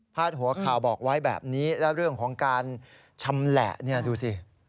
หัวข่าวบอกไว้แบบนี้แล้วเรื่องของการชำแหละเนี่ยดูสิ